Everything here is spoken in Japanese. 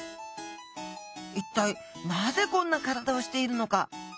一体なぜこんな体をしているのか？